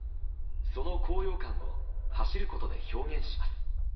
その高揚感を走ることで表現します。